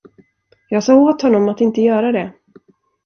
Jag sa åt honom att inte göra det.